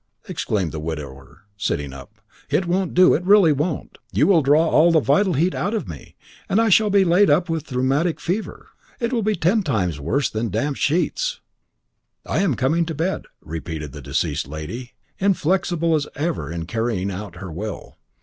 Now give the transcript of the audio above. exclaimed the widower, sitting up. "It won't do. It really won't. You will draw all the vital heat out of me, and I shall be laid up with rheumatic fever. It will be ten times worse than damp sheets." "I am coming to bed," repeated the deceased lady, inflexible as ever in carrying out her will.